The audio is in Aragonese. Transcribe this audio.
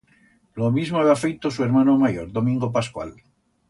Lo mismo heba feito su ermano mayor, Domingo Pascual.